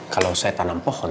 kalau saya tanam pohon